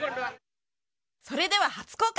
それでは初公開！